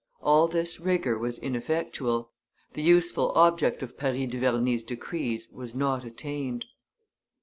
All this rigor was ineffectual; the useful object of Paris Duverney's decrees was not attained.